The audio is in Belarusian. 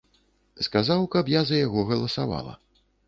Сказаў, каб я за яго галасавала.